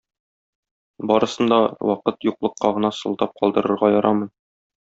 Барысын да вакыт юклыкка гына сылтап калдырырга ярамый.